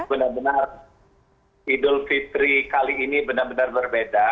benar benar idul fitri kali ini benar benar berbeda